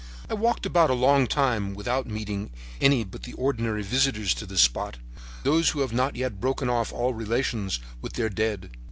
"I walked about a long time without meeting any but the ordinary visitors to this spot, those who have not yet broken off all relations with their dead.